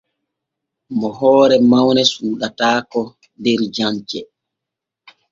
Mo hoore mawne suuɗataako der jancere.